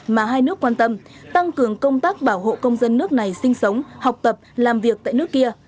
mà hai nước quan tâm tăng cường công tác bảo hộ công dân nước này sinh sống học tập làm việc tại nước kia